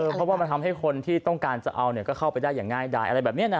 เพราะว่ามันทำให้คนที่ต้องการจะเอาก็เข้าไปได้อย่างง่ายได้อะไรแบบนี้นะ